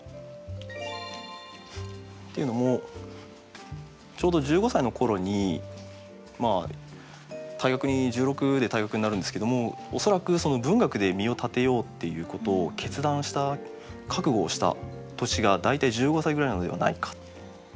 っていうのもちょうど１５歳の頃に１６で退学になるんですけれども恐らくその文学で身を立てようっていうことを決断した覚悟をした年が大体１５歳ぐらいなのではないか。